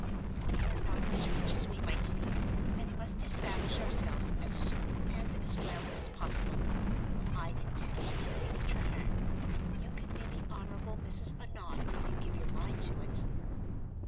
"We are not as rich as we might be, and must establish ourselves as soon and as well as possible. I intend to be Lady Treherne. You can be the Honorable Mrs. Annon, if you give your mind to it."